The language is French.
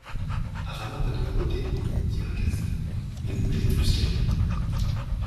Araminte a de la beauté, dit Ergaste, mais vous plaisez plus qu’elle.